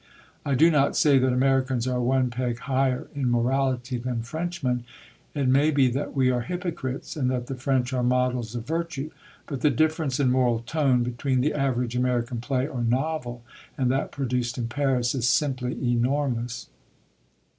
I do not say that Americans are one peg higher in morality than Frenchmen; it may be that we are hypocrites, and that the French are models of virtue; but the difference in moral tone between the average American play or novel and that produced in Paris is simply enormous.